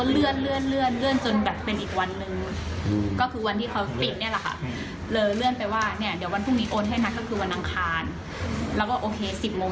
เรื่องไปว่าเนี่ยเราอยากได้ของ